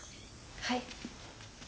はい。